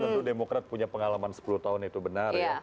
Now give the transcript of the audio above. tentu demokrat punya pengalaman sepuluh tahun itu benar ya